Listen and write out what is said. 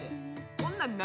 こんなん何？